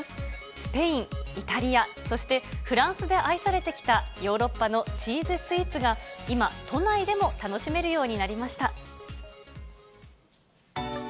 スペイン、イタリア、そしてフランスで愛されてきた、ヨーロッパのチーズスイーツが、今、都内でも楽しめるようになりました。